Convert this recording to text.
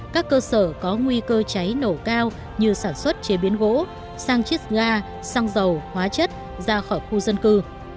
các cơ sở có nguy cơ cháy nổ cao như sản xuất chế biến gỗ sang chiết ga xăng dầu hóa chất ra khỏi khu dân cư